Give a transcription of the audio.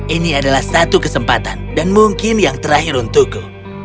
ini adalah satu kesempatan dan mungkin yang terakhir untukku